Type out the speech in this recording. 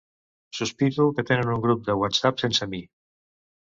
Sospito que tenen un grup de whatsapp sense mi.